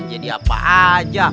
jadi apa aja